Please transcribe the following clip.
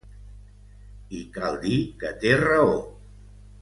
I cal dir que té raó.